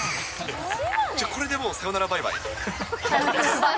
じゃあ、これでさよならバイバイ？